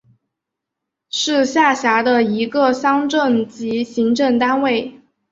是下辖的一个乡镇级行政单位。